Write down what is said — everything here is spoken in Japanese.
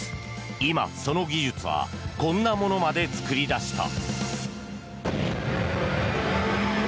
今、その技術はこんなものまで作り出した。